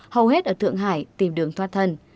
hầu hết ở thượng hải tìm đường thoát thân